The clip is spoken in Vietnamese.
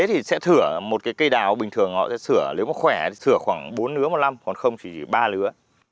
thì sẽ thử một cái cây đào bình thường họ sẽ sửa nếu có khỏe thì sửa khoảng bốn lứa một năm còn không thì chỉ ba lứa